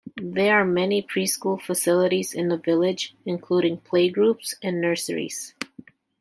There are many pre-school facilities in the village including playgroups and nurseries.